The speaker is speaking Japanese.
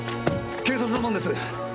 警察の者です。